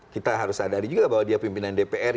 kita harus sadari juga bahwa dia pimpinan dpr